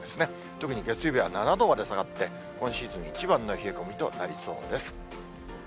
特に月曜日は７度まで下がって、今シーズン一番の冷え込みとなりそうです。